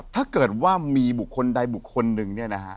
ถ้าเกิดว่ามีบุคคลใดบุคคลหนึ่งเนี่ยนะฮะ